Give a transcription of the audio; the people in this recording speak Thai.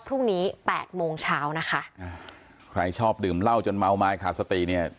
พรุ่งนี้แปดโมงเช้านะคะอ่าใครชอบดื่มเหล้าจนเมาไม้ขาดสติเนี่ย